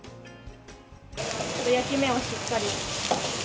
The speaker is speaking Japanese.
焼き目をしっかり。